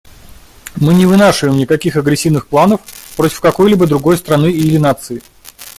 Мы не вынашиваем никаких агрессивных планов против какой-либо другой страны или нации.